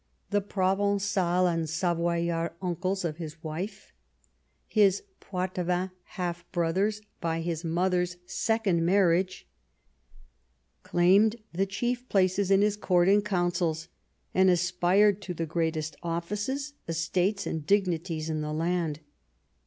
The Provencal and Savoyard uncles of his wife, his Poitevin half brothers by his mother's second marriage, claimed the chief places in his court and councils, and aspired to the greatest offices, estates, and dignities in the land.